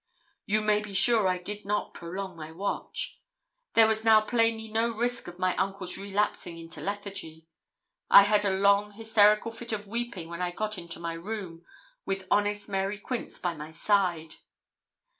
You may be sure I did not prolong my watch. There was now plainly no risk of my uncle's relapsing into lethargy. I had a long hysterical fit of weeping when I got into my room, with honest Mary Quince by my side.